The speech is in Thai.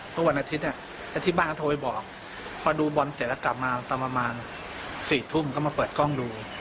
วันอาทิตย์ที่บ้านก็โทรไปบอกพอดูบอลเสร็จแล้วกลับมาตอนประมาณ๔ทุ่มก็มาเปิดกล้องดู